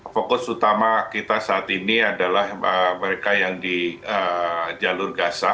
fokus utama kita saat ini adalah mereka yang di jalur gaza